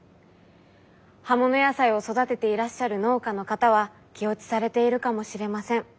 葉物野菜を育てていらっしゃる農家の方は気落ちされているかもしれません。